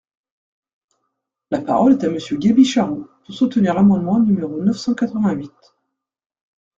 La parole est à Monsieur Gaby Charroux, pour soutenir l’amendement numéro neuf cent quatre-vingt-huit.